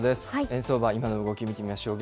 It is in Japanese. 円相場、今の動き見てみましょう。